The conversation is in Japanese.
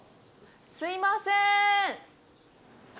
すいませーん。